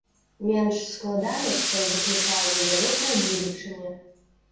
Менш складанасцяў выклікае недалёкая будучыня.